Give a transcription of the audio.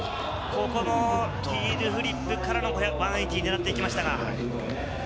ここのヒールフリップから１８０をねらっていきましたが。